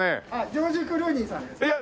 ジョージ・クルーニーさんですか？